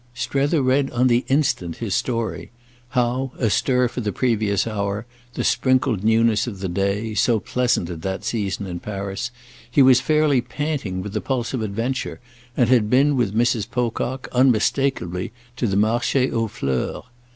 Strether read on the instant his story—how, astir for the previous hour, the sprinkled newness of the day, so pleasant at that season in Paris, he was fairly panting with the pulse of adventure and had been with Mrs. Pocock, unmistakeably, to the Marché aux Fleurs.